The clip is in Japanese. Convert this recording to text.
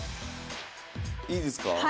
いいですか？